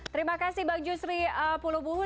terima kasih bang jusri puluh buhu